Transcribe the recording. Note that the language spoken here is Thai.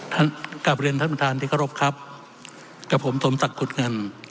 ท่านกราบเรียนท่านประธานที่เคารพครับกับผมโตมตักกุฎเงิน